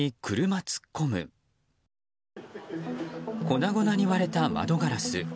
粉々に割れた窓ガラス。